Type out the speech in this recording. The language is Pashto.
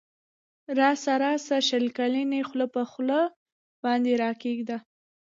راسه راسه شل کلنی خوله پر خوله باندی را کښېږده